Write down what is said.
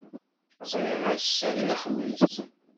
Ẓriɣ ass-a d Lexmis.